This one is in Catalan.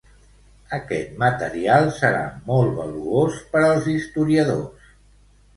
Aquest material serà molt valuós per als historiadors.